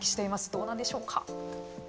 どうなんでしょうか。